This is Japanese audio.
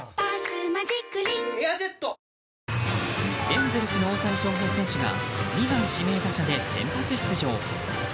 エンゼルスの大谷翔平選手が２番指名打者で先発出場。